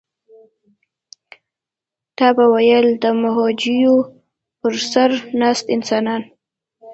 تا به ویل د بوجیو پر سر ناست انسانان.